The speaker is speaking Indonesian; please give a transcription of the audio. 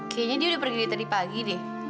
kayaknya dia udah pergi tadi pagi deh